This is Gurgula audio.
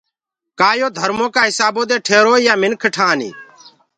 ڪآ يو ڌرمو ڪآ هِسآبو دي ٺيروئي يآن منک ٺآنيٚ